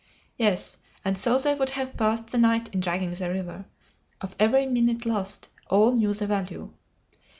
Yes; and so they would have passed the night in dragging the river. Of every minute lost all knew the value.